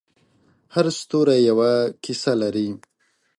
هر ستوری یوه کیسه لري.